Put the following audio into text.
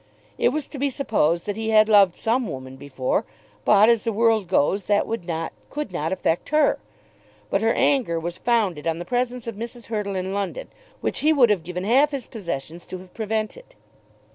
It was to be supposed that he had loved some woman before; but, as the world goes, that would not, could not, affect her. But her anger was founded on the presence of Mrs. Hurtle in London, which he would have given half his possessions to have prevented.